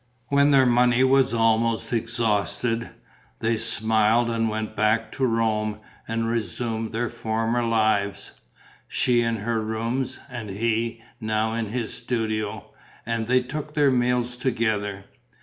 When their money was almost exhausted, they smiled and went back to Rome and resumed their former lives: she in her rooms and he, now, in his studio; and they took their meals together.